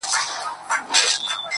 دادی اوس هم کومه، بيا کومه، بيا کومه.